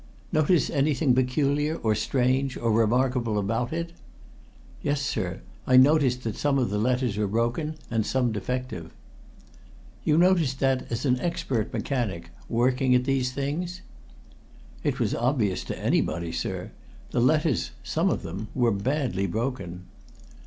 "Notice anything peculiar, or strange, or remarkable about it?" "Yes, sir, I notice that some of the letters were broken and some defective." "You noticed that as an expert mechanic, working at these things?" "It was obvious to anybody, sir. The letters some of them were badly broken."